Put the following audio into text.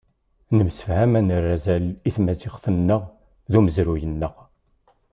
Nemsefham ad nerr azal i tmaziɣt-nneɣ d umezruy-nneɣ.